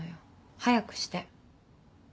早くして。